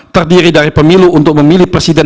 terdiri dari pemilu untuk memilih presiden